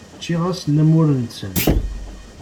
Ččiɣ-asen amur-nsen.